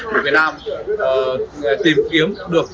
tìm kiếm được